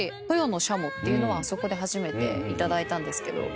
っていうのはあそこで初めていただいたんですけど。